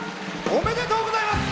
おめでとうございます！